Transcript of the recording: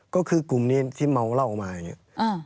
ก็คือกลุ่มนี้ที่เมาเหล้ามาอย่างนี้